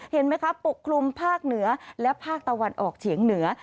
เห็นไหมคะปกคลุมภาคเหนือและภาคตะวันออกเฉียงเหนือ